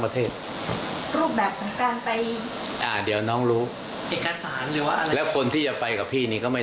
ผมก็คงหน่วยงานเลยว่าอย่าทำอย่างงี้